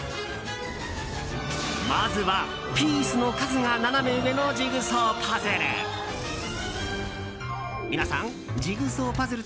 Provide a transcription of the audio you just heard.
まずは、ピースの数がナナメ上のジグソーパズル。